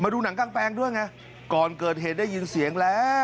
ดูหนังกลางแปลงด้วยไงก่อนเกิดเหตุได้ยินเสียงแล้ว